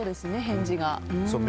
返事が。